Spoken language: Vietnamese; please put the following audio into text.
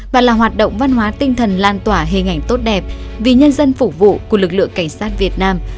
và là hoạt động văn hóa tinh thần lan tỏa hình ảnh tốt đẹp vì nhân dân phục vụ của lực lượng cảnh sát việt nam